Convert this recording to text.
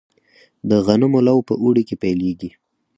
د غنمو لو په اوړي کې پیلیږي.